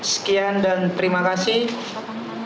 sekian dan terima kasih